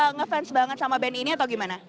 nge fans banget sama band ini atau gimana